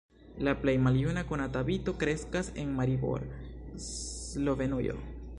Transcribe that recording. La plej maljuna konata vito kreskas en Maribor, Slovenujo.